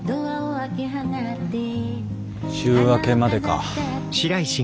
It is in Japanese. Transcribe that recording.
週明けまでか。